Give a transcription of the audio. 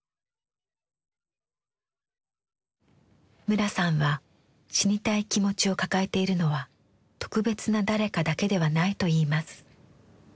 村さんは「死にたい気持ち」を抱えているのは「特別な誰か」だけではないといいます。